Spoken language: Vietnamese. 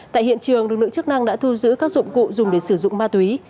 tại hiện trường lực lượng chức năng đã thu giữ các dụng cụ dùng để sử dụng ma túy